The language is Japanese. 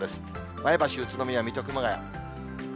前橋、宇都宮、水戸、熊谷。